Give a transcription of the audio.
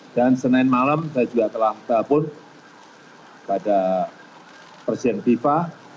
dan senin malam saya juga telah berpun pada presiden viva